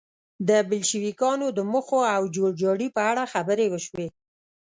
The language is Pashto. د بلشویکانو د موخو او جوړجاړي په اړه خبرې وشوې